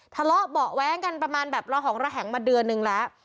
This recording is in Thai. ทะเลาะเบาะแว้งกันประมาณแบบระหองระแหงมาเดือนนึงแล้ว